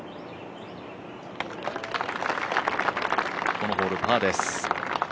このホール、パーです。